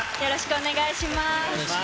お願いします。